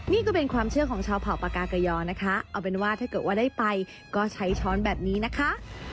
นี่ก็เป็นความเชื่อของชาวเผ่าปากากยอนะคะเอาเป็นว่าถ้าเกิดว่าได้ไปก็ใช้ช้อนแบบนี้นะคะ